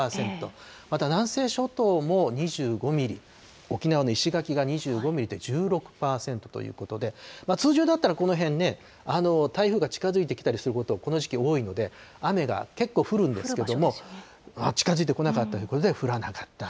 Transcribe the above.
また南西諸島も２５ミリ、沖縄の石垣が２５ミリと１６％ということで、通常だったらこの辺、台風が近づいてきたりすること、この時期多いので、雨が結構降るんですけれども、近づいてこなかったということで、降らなかった。